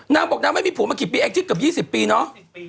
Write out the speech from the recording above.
นางบอกนางไม่มีผัวมากี่ปีแอ้กูเรียกถึงเกือบ๒๐ปีเนอะ